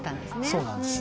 そうなんです。